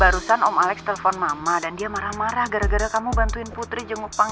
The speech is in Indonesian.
barusan om alex telpon mama dan dia marah marah gara gara kamu bantuin putri jenguk panggung lo